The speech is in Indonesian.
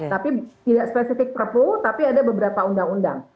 tapi tidak spesifik perpu tapi ada beberapa undang undang